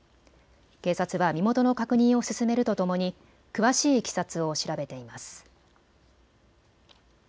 警察は身元の確認を進めるとともに詳しいいきさつを調べています。